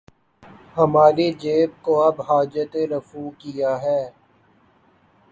ہمارے جیب کو اب حاجت رفو کیا ہے